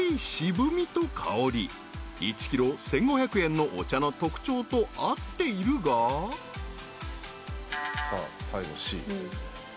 ［１ｋｇ１，５００円のお茶の特徴と合っているが］さあ最後Ｃ。